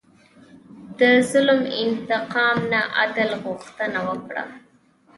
د ظلم انتقام نه، عدل غوښتنه وکړه.